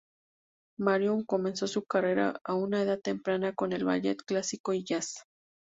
Marion comenzó su carrera a una edad temprana con el ballet clásico y jazz.